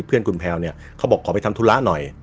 เพื่อนคุณแพลวเนี่ยเขาบอกขอไปทำธุระหน่อย